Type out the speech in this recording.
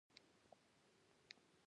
جرئت د عمل دروازه ده.